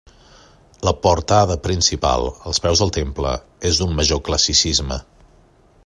La portada principal, als peus del temple, és d'un major classicisme.